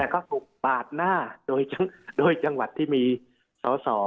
ก็ถูกปาดหน้าโดยจังหวัดที่มีสอสอ